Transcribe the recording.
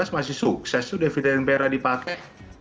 dua ribu sembilan belas masih sukses tuh dede impera dipakai